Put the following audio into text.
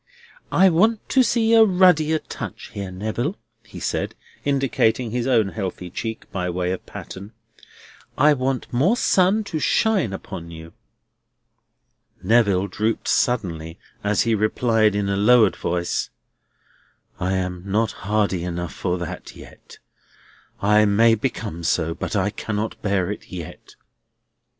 "I want to see a ruddier touch here, Neville," he said, indicating his own healthy cheek by way of pattern. "I want more sun to shine upon you." Neville drooped suddenly, as he replied in a lowered voice: "I am not hardy enough for that, yet. I may become so, but I cannot bear it yet.